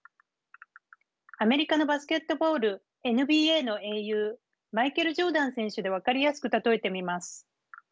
アメリカのバスケットボールＮＢＡの英雄マイケル・ジョーダン選手で分かりやすく例えてみます。